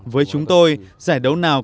với chúng tôi giải đấu nào